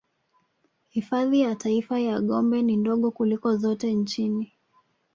Hifadhi ya Taifa ya Gombe ni ndogo kuliko zote nchini